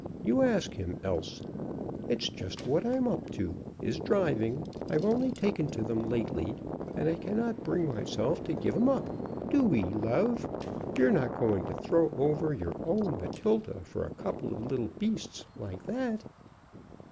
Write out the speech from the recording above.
You ask him else. It's just what I'm up to is driving. I've only taken to them lately, and I cannot bring myself to give 'em up. Do'ee love. You're not going to throw over your own Matilda for a couple of little beasts like that!"